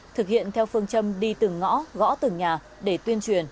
thực hiện theo phương châm đi từng ngõ gõ từng nhà để tuyên truyền